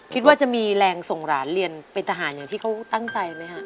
คิดว่าจะมีแรงส่งหลานเรียนเป็นทหารอย่างที่เขาตั้งใจไหมฮะ